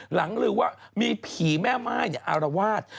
หลังหรือว่ามีผีแม่ไม้อารวาส